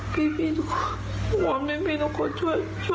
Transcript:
พี่ทุกคนหวังว่าพี่ทุกคนช่วยหนู